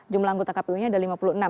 jumlah anggota kpu nya ada lima puluh enam